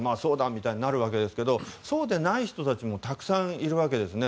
みたいになるわけですがそうでない人たちもたくさんいるわけですね。